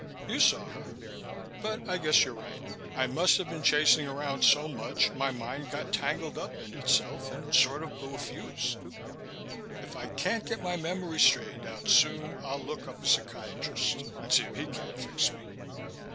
You saw her. But I guess you're right. I must have been chasing around so much my mind got tangled up in itself and sort of blew a fuse. If I can't get my memory straightened out soon I'll look up a psychiatrist and see if he can't fix me."